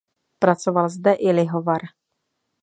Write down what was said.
Pracoval zde i lihovar.